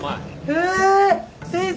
え先生！